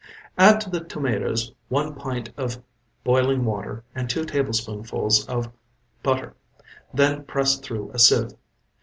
Add to the tomatoes one pint of boiling water and two tablespoonfuls of butter, then press through a sieve.